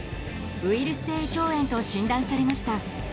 ウイルス性胃腸炎と診断されました。